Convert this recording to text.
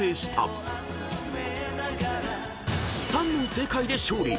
［３問正解で勝利。